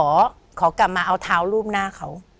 ขอกลับมาเอาเท้ารูปหน้าเขา